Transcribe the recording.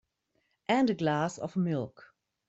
And a glass of milk.